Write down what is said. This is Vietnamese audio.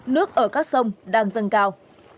nước ở các sông đang dâng cao